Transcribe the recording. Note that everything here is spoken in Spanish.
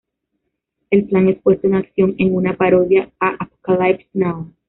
El plan es puesto en acción en una parodia a "Apocalypse Now".